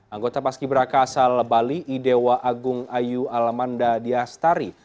anggota paski beraka asal bali idewa agung ayu alamanda diastari